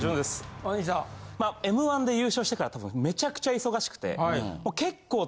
『Ｍ−１』で優勝してからたぶんめちゃくちゃ忙しくて。